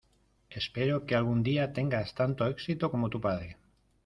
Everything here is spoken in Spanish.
Espero que algún día tengas tanto éxito como tu padre.